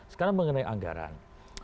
sekarang mengenai anggaran